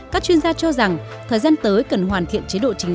các chuyên gia cho rằng thời gian tới cần hoàn thiện chế độ chính